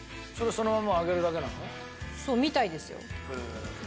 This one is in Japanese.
そうみたいですよ。へえ。